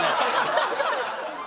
確かに。